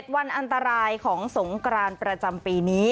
วันอันตรายของสงกรานประจำปีนี้